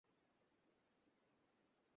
সে বেশ ভাল ও মহৎ লোক।